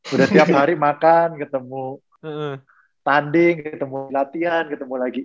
udah tiap hari makan ketemu tanding ketemu latihan ketemu lagi